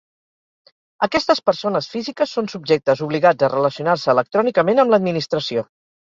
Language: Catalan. Aquestes persones físiques són subjectes obligats a relacionar-se electrònicament amb l'administració.